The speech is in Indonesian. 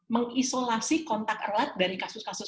mengisolasi kontak erat dari kasus kasus